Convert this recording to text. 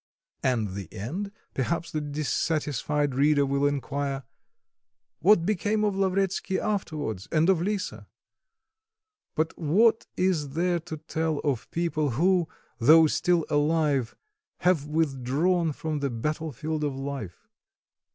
"And the end?" perhaps the dissatisfied reader will inquire. "What became of Lavretsky afterwards, and of Lisa?" But what is there to tell of people who, though still alive, have withdrawn from the battlefield of life?